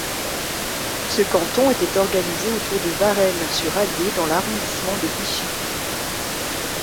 Ce canton était organisé autour de Varennes-sur-Allier dans l'arrondissement de Vichy.